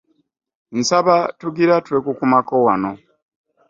Nsaba tugira twekukumako wano.